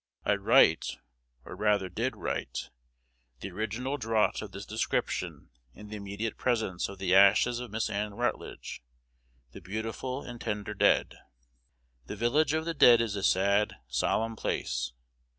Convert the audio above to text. I write, or rather did write, the original draught of this description in the immediate presence of the ashes of Miss Ann Rutledge, the beautiful and tender dead. The village of the dead is a sad, solemn place.